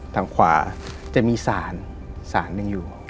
ทางขวาจะมีศาลศาลนึงอยู่